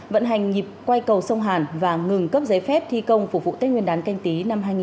vận hành nhịp quay cầu sông hàn và ngừng cấp giấy phép thi công phục vụ tết nguyên đán canh tí năm hai nghìn hai mươi